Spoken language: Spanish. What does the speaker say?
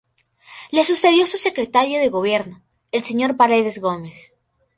Le sucedió su secretario de Gobierno, el señor Paredes Gómez.